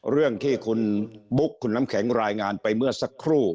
เรื่องที่คุณบุ๊คคุณน้ำแข็งรายงานไปเมื่อสักครู่